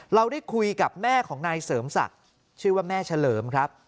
เราได้คุยกับแม่ของนายเสริมศักดิ์ชื่อว่าแม่เฉลิมครับ